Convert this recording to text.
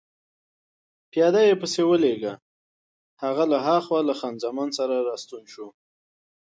پیاده يې پسې ولېږه، هغه له هاخوا له خان زمان سره راستون شو.